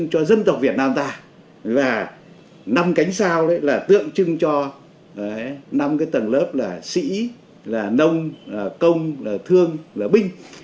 hỏa một lớp sĩ là nông công là thương là binh